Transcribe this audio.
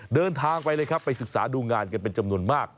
เดินทางไปเลยครับไปศึกษาดูงานกันเป็นจำนวนมาก